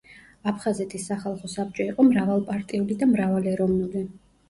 აფხაზეთის სახალხო საბჭო იყო მრავალპარტიული და მრავალეროვნული.